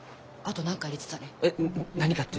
えっ？何かって？